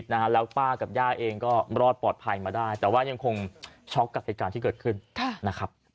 แต่ยังคงช็อกกับเหตุการณ์ที่เกิดขึ้น